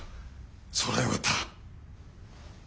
それはよかった。